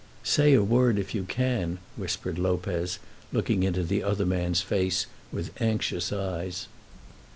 "Say a word if you can," whispered Lopez, looking into the other man's face with anxious eyes.